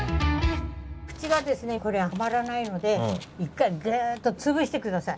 口がですねこれはまらないので一回ぐっと潰して下さい。